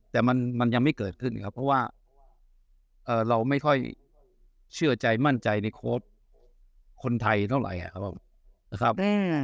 แต่มันยังไม่เกิดขึ้นครับเพราะว่าเราไม่ค่อยเชื่อใจมั่นใจในโค้ชคนไทยเท่าไหร่ครับผมนะครับ